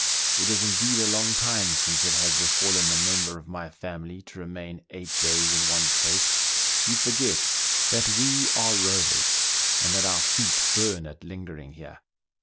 It is indeed a long time since it has befallen a member of my family to remain eight days in one place : you forget that we are rovers, and that our feet burn at lingering here."